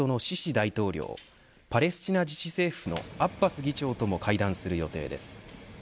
大統領パレスチナ自治政府のアッバス議長とも会談する予定です。